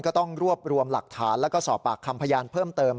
ก็ต้องรวบรวมหลักฐานแล้วก็สอบปากคำพยานเพิ่มเติม